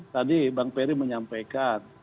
tadi bang ferry menyampaikan